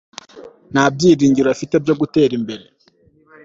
nta byiringiro afite byo gutera imbere